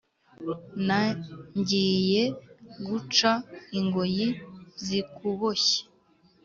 Na ngiye guca ingoyi zikuboshye